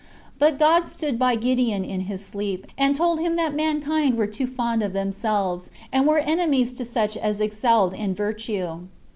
But God stood by Gideon in his sleep, and told him that mankind were too fond of themselves, and were enemies to such as excelled in virtue.